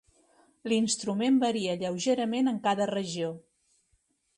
L'instrument varia lleugerament en cada regió.